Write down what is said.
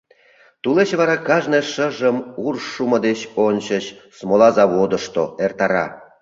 Тулеч вара кажне шыжым, ур шумо деч ончыч, смола заводышто эртара.